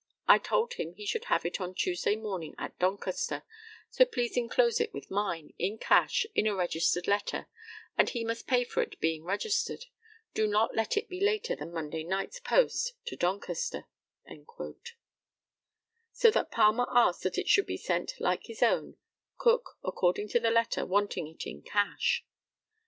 I told him he should have it on Tuesday morning at Doncaster; so please enclose it with mine, in cash, in a registered letter, and he must pay for it being registered. Do not let it be later than Monday night's post to Doncaster." So that Palmer asked that it should be sent like his own, Cook, according to the letter, wanting it in cash.